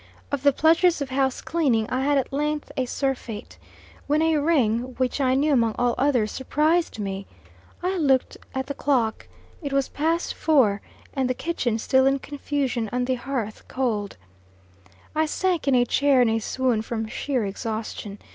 Of the pleasures of house cleaning, I had at length a surfeit; when a ring, which I knew among all others, surprised me. I looked at the clock. It was past four, and the kitchen still in confusion, and the hearth cold. I sank in a chair in a swoon from sheer exhaustion.